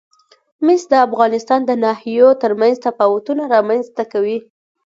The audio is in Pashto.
مس د افغانستان د ناحیو ترمنځ تفاوتونه رامنځ ته کوي.